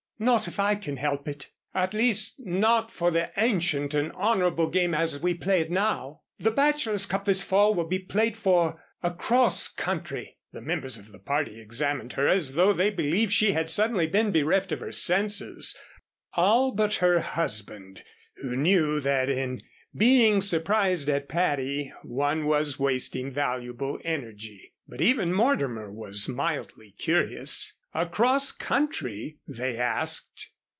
"Not if I can help it. At least not for the Ancient and Honorable Game as we play it now. The Bachelors' Cup this fall will be played for across country." The members of the party examined her as though they believed she had suddenly been bereft of her senses all but her husband, who knew that in being surprised at Patty, one was wasting valuable energy, but even Mortimer was mildly curious. "Across country!" they asked.